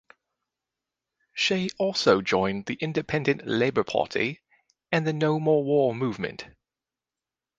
She also joined the Independent Labour Party and the No More War Movement.